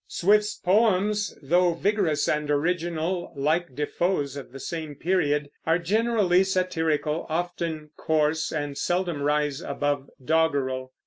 Swift's poems, though vigorous and original (like Defoe's, of the same period), are generally satirical, often coarse, and seldom rise above doggerel.